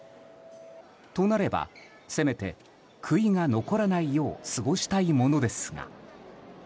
となれば、せめて悔いが残らないよう過ごしたいものですが。